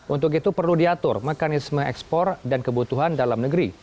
untuk itu perlu diatur mekanisme ekspor dan kebutuhan dalam negeri